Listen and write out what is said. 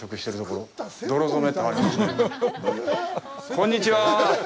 こんにちは。